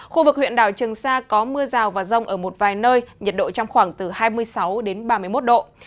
khu vực huyện đảo trường sa có mưa rào và rông ở một vài nơi nhiệt độ trong khoảng từ hai mươi sáu đến ba mươi một độ